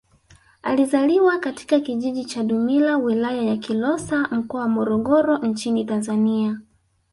Alizaliwa katika kijiji cha Dumila Wilaya ya Kilosa Mkoa wa Morogoro nchini Tanzania